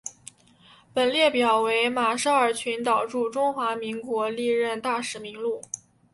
本列表为马绍尔群岛驻中华民国历任大使名录。